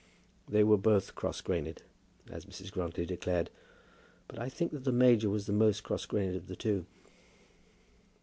They were both cross grained, as Mrs. Grantly declared; but I think that the major was the most cross grained of the two.